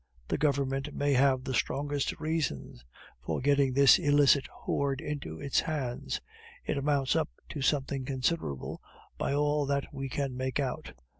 "The Government may have the strongest reasons for getting this illicit hoard into its hands; it mounts up to something considerable, by all that we can make out.